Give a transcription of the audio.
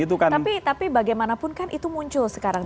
tapi bagaimanapun kan itu muncul sekarang